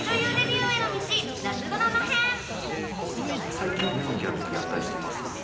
最近嫌なギャルってやったりしてます？